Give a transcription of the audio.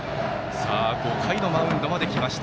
５回のマウンドまで来ました